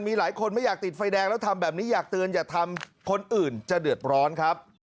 มีหลายคนไม่อยากติดไฟแดงแล้วทำแบบนี้อยากเตือนอย่าทำคนอื่นจะเดือดร้อนครับ